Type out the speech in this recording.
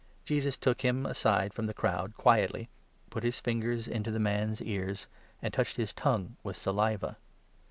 Jesus took him aside from the crowd quietly, put his fingers 33 into the man's ears, and touched his tongue with saliva.